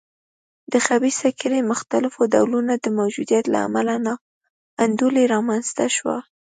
د خبیثه کړۍ مختلفو ډولونو د موجودیت له امله نا انډولي رامنځته شوه.